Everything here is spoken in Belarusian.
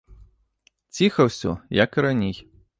Ціха ўсё, як і раней.